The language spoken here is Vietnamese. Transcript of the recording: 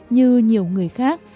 như nhiều người khác